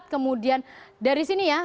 kemudian dari sini ya